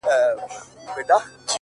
نن شپه بيا زه پيغور ته ناسته يمه،